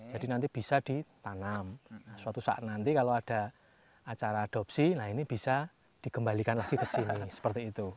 jadi nanti bisa ditanam suatu saat nanti kalau ada acara adopsi nah ini bisa dikembalikan lagi ke sini seperti itu